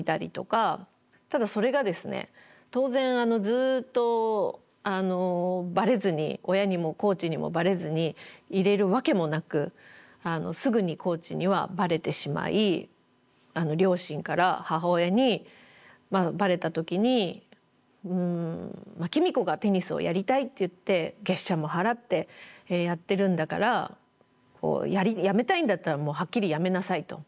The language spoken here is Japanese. ただそれがですね当然ずっとバレずに親にもコーチにもバレずにいれるわけもなくすぐにコーチにはバレてしまい両親から母親にバレた時に公子がテニスをやりたいって言って月謝も払ってやってるんだからやめたいんだったらもうはっきりやめなさいと。